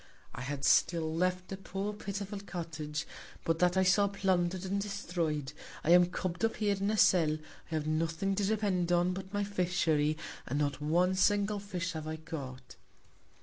I had still left a poor, pitiful Cottage, but that I saw plunder'd and destroy'd. I am cubb'd up here in a Cell; I have nothing to depend upon but my Fishery, and not one single Fish have I caught.